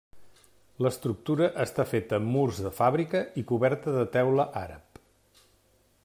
L'estructura està feta amb murs de fàbrica i coberta de teula àrab.